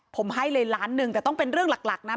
ผมให้เลยล้านหนึ่งแต่ต้องเป็นเรื่องหลักนะ